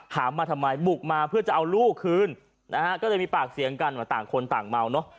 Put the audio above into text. มาทำไมบุกมาเพื่อจะเอาลูกคืนนะฮะก็เลยมีปากเสียงกันต่างคนต่างเมาเนอะ